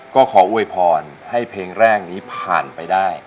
ก็ขออวยพรให้เพลงแรกนี้ผ่านไปได้